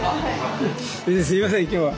すみません今日は。